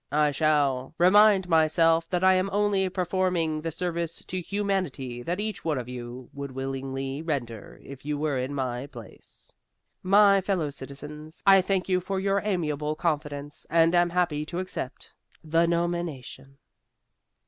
I shall remind myself that I am only performing the service to humanity that each one of you would willingly render if you were in my place. "My fellow citizens, I thank you for your amiable confidence, and am happy to accept the nomination."